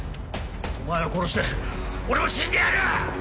お前を殺して俺も死んでやる！